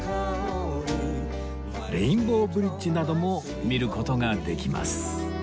レインボーブリッジなども見る事ができます